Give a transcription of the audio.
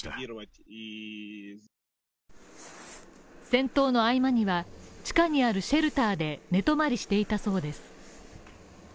戦闘の合間には地下にあるシェルターで寝泊まりしていたそうです。